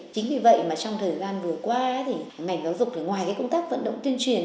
chính vì vậy mà trong thời gian vừa qua thì ngành giáo dục ngoài công tác vận động tuyên truyền